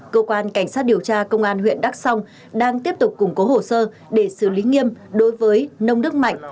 cơ quan cảnh sát điều tra công an huyện đắk song đang tiếp tục củng cố hồ sơ để xử lý nghiêm đối với nông đức mạnh